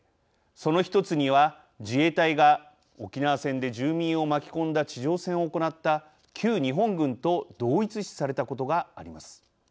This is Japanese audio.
その１つには自衛隊が沖縄戦で住民を巻き込んだ地上戦を行った旧日本軍と同一視されたことがあります。